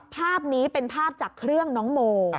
ภาพนี้เป็นภาพจากเครื่องน้องโม